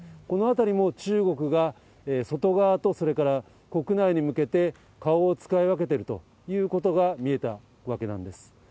このあたりも中国が外側と、それから国内に向けて顔を使い分けてるということが見えたわけなんです。